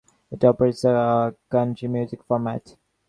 It operates a country music format.